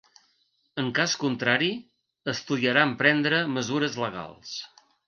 En cas contrari, estudiarà emprendre mesures legals.